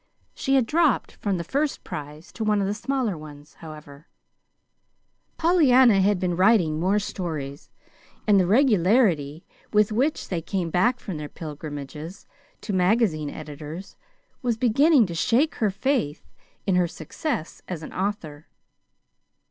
She had dropped from the first prize to one of the smaller ones, however: Pollyanna had been writing more stories, and the regularity with which they came back from their pilgrimages to magazine editors was beginning to shake her faith in her success as an author.